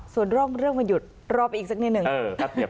ส่วนร่องเรื่องวันหยุดรอไปอีกสักนิดหนึ่ง